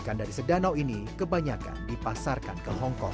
ikan dari sedanau ini kebanyakan dipasarkan ke hongkong